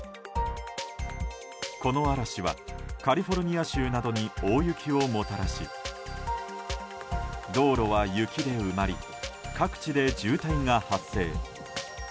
この嵐はカリフォルニア州などに大雪をもたらし道路は雪で埋まり各地で渋滞が発生。